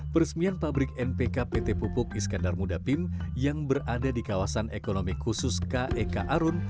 peresmian pabrik npk pt pupuk iskandar muda pin yang berada di kawasan ekonomi khusus kek arun